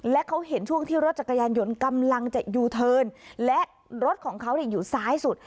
และเขาเห็นช่วงที่รถจักรยานยนต์กำลังจะยูเทิร์นและรถของเขาอยู่ซ้ายสุด